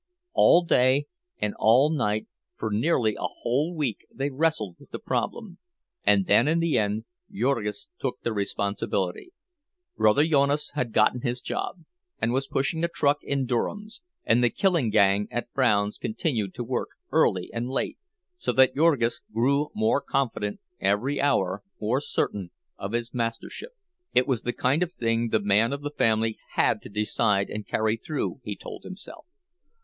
All day and all night for nearly a whole week they wrestled with the problem, and then in the end Jurgis took the responsibility. Brother Jonas had gotten his job, and was pushing a truck in Durham's; and the killing gang at Brown's continued to work early and late, so that Jurgis grew more confident every hour, more certain of his mastership. It was the kind of thing the man of the family had to decide and carry through, he told himself.